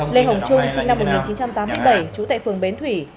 lê hồng trung sinh năm một nghìn chín trăm tám mươi bảy trú tại phường bến thủy